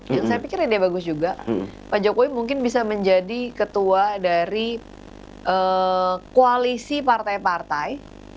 saya pikir ya dia bagus juga pak jokowi mungkin bisa menjadi ketua dari koalisi partai partai